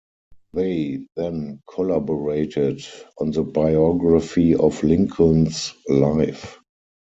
They then collaborated on the biography of Lincoln's life.